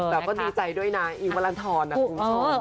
แบบว่าดีใจด้วยนะอีวะลันทรน่ะคุณชอบ